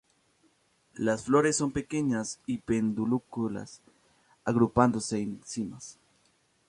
Las flores son pequeñas y pedunculadas, agrupándose en cimas.